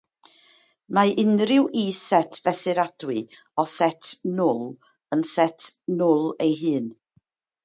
Mae unrhyw is-set fesuradwy o set nwl yn set nwl ei hun.